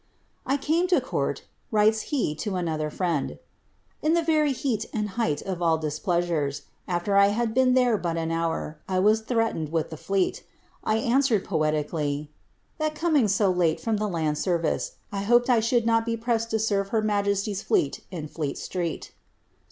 " I came to court," writes he to another friend, " in the very heat and leight of all displeasures. After 1 had been there but an hour, I was threatened with the Fleet. I answered poetically, < that coming so late Irom the land service, I hoped I should not be pressed to serve her majesty's fleet in Fleet street.'